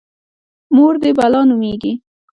_مور دې بلا نومېږي؟